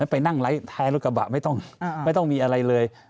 ไปนั่งท้ายรถกระบะไม่ต้องมีอะไรเลย